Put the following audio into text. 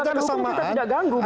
penegakan hukum kita tidak ganggu